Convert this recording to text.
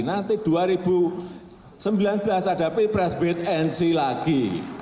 nanti dua ribu sembilan belas ada pilpres wedensi